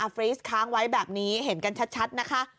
ฟรีสค้างไว้แบบนี้เห็นกันชัดนะคะ